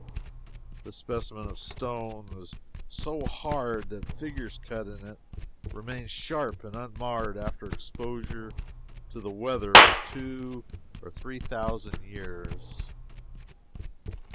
This species of stone is so hard that figures cut in it remain sharp and unmarred after exposure to the weather for two or three thousand years.